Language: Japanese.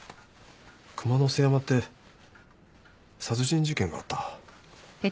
熊之背山って殺人事件があった。